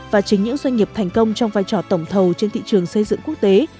và chính những doanh nghiệp thành công trong vai trò tổng thầu trên thị trường xây dựng quốc tế